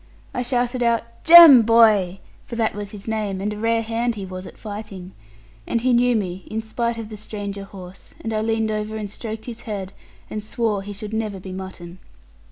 I shouted out, 'Jem, boy!' for that was his name, and a rare hand he was at fighting and he knew me in spite of the stranger horse; and I leaned over and stroked his head, and swore he should never be mutton.